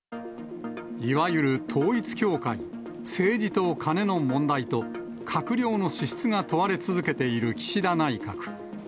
いわゆる統一教会、政治とカネの問題と、閣僚の資質が問われ続けている岸田内閣。